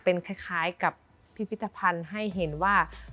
เป็นคล้ายกับพิพิธภัณฑ์ให้เห็นว่า